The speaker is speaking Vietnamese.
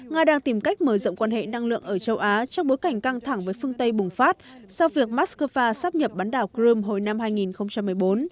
nga đang tìm cách mở rộng quan hệ năng lượng ở châu á trong bối cảnh căng thẳng với phương tây bùng phát sau việc moscow sắp nhập bán đảo crimea hồi năm hai nghìn một mươi bốn